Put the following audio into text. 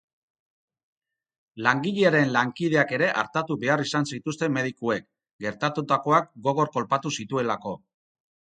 Langilearen lankideak ere artatu behar izan zituzten medikuek, gertatutakoak gogor kolpatu zituelako.